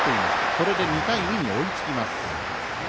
これで２対２に追いつきます。